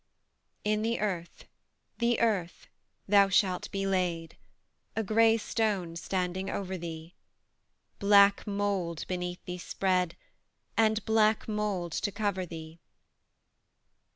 In the earth the earth thou shalt be laid, A grey stone standing over thee; Black mould beneath thee spread, And black mould to cover thee.